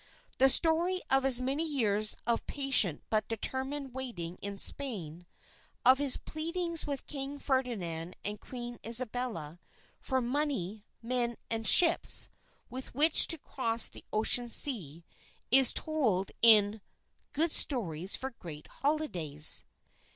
The story of his many years of patient but determined waiting in Spain, of his pleadings with King Ferdinand and Queen Isabella, for money, men, and ships with which to cross the Ocean Sea, is told in "Good Stories for Great Holidays."